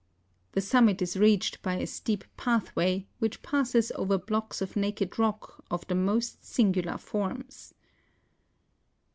The summit is reached by a steep pathway, which passes over blocks of naked rock of the most singular forms.